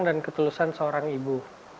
dan ketulusan seorang ibu